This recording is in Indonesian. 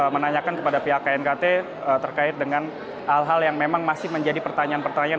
menanyakan kepada pihak knkt terkait dengan hal hal yang memang masih menjadi pertanyaan pertanyaan